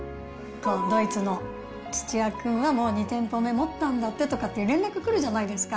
ドイツの土屋君は、もう２店舗目持ったんだってとかって連絡来るじゃないですか。